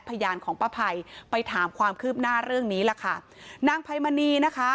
พยานของป้าภัยไปถามความคืบหน้าเรื่องนี้ล่ะค่ะนางไพมณีนะคะ